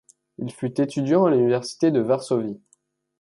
Il fut étudiant à l'université de Varsovie.